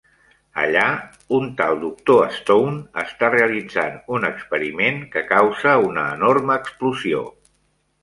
Allà, un tal doctor Stone està realitzant un experiment, que causa una enorme explosió.